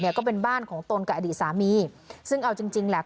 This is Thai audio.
เนี่ยก็เป็นบ้านของโตนกับอดีตสามีซึ่งเอาจริงแหละ